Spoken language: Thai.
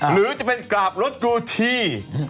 หรือจะเป็นกราบรถกูที